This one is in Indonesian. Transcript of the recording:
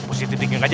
pusit di pinggang aja